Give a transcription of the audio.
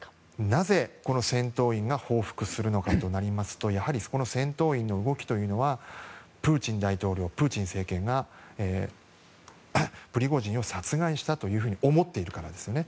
なぜ、戦闘員が報復するのかとなりますとやはりそこの戦闘員の動きというのはプーチン大統領、プーチン政権がプリゴジンを殺害したと思っているからですね。